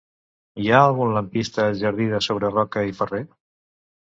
Hi ha algun lampista al jardí de Sobreroca i Ferrer?